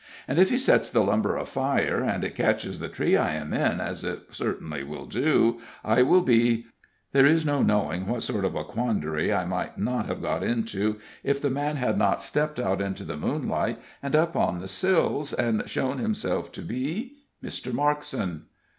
And if he sets the lumber afire, and it catches the tree I am in, as it will certainly do, I will be There is no knowing what sort of a quandary I might not have got into if the man had not stepped out into the moonlight, and up on the sills, and shown himself to be Mr. Markson.